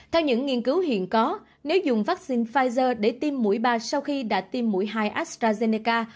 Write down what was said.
theo những nghiên cứu hiện có nếu dùng vaccine pfizer để tiêm mũi ba sau khi đã tiêm mũi hai astrazeneca